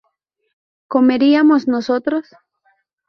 ¿comeríamos nosotros?